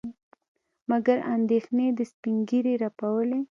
مګر اندېښنې د سپينږيري رپولې.